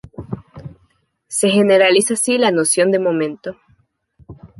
Se generaliza así la noción de momento.